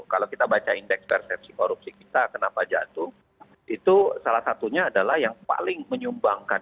kalau kita baca indeks persepsi korupsi kita kenapa jatuh itu salah satunya adalah yang paling menyumbangkan